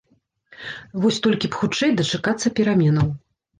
Вось толькі б хутчэй дачакацца пераменаў.